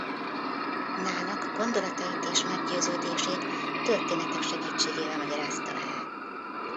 Nának gondolatait és meggyőződését történetek segítségével magyarázta el.